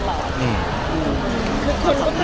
ก็เหมือนเดิมมาตลอด